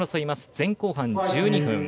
前後半１２分。